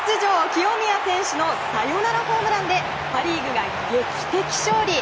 清宮選手のサヨナラホームランでパ・リーグが劇的勝利！